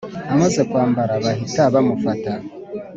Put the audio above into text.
Amaze kwambara bahita bamufata